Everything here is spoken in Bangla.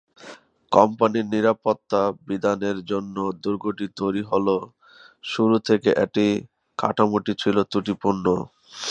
কোম্পানির নিরাপত্তা বিধানের জন্য দুর্গটি তৈরি হলেও শুরু থেকেই এর কাঠামোটি ছিল ত্রুটিপূর্ণ।